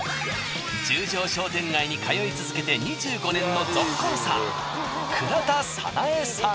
十条商店街に通い続けて２５年の。